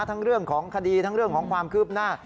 เรื่องของคดีทั้งเรื่องของความคืบหน้า